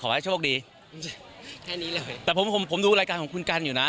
ขอให้โชคดีแค่นี้เลยแต่ผมผมดูรายการของคุณกันอยู่นะ